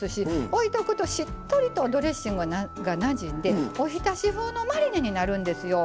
おいとくとしっとりとドレッシングがなじんでおひたし風のマリネになるんですよ。